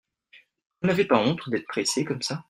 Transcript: Vous n’avez pas honte d’être pressé comme ça !